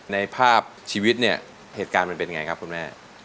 ในภาพชีวิตเนี่ยเหตุการณ์มันเป็นไงครับคุณแม่